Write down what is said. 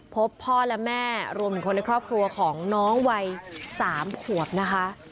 พบพ่อและแม่รวมถึงคนในครอบครัวของน้องวัย๓ขวบนะคะ